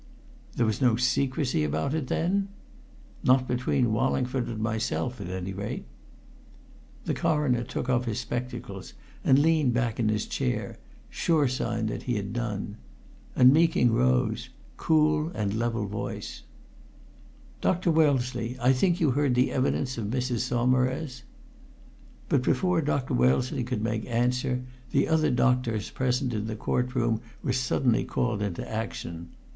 "There was no secrecy about it, then?" "Not between Wallingford and myself at any rate." The Coroner took off his spectacles and leaned back in his chair sure sign that he had done. And Meeking rose, cool, level voiced. "Dr. Wellesley, I think you heard the evidence of Mrs. Saumarez?" But before Dr. Wellesley could make answer, the other doctors present in the Court room were suddenly called into action.